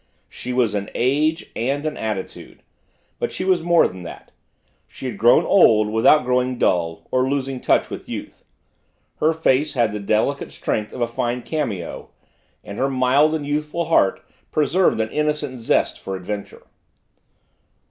She was an Age and an Attitude, but she was more than that; she had grown old without growing dull or losing touch with youth her face had the delicate strength of a fine cameo and her mild and youthful heart preserved an innocent zest for adventure.